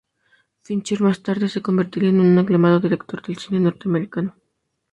Fincher más tarde se convertiría en un aclamado director del cine norteamericano.